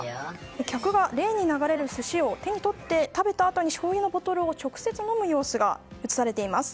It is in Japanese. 客がレーンに流れる寿司を手に取って食べたあとにしょうゆのボトルを直接飲む様子が映されています。